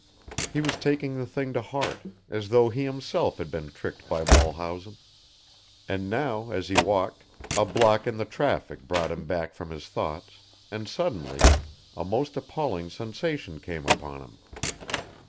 He was taking the thing to heart, as though he himself had been tricked by Mulhausen, and now as he walked, a block in the traffic brought him back from his thoughts, and suddenly, a most appalling sensation came upon him.